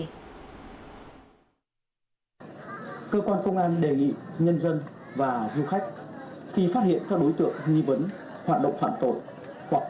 cơ quan công an đề nghị nhân dân và du khách khi phát hiện các đối tượng nghi vấn hoạt động phạm tội hoặc